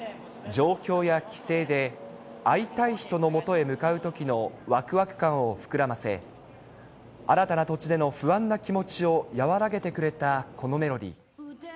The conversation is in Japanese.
上京や帰省で、会いたい人のもとへ向かうときのわくわく感を膨らませ、新たな土地での不安な気持ちを和らげてくれたこのメロディー。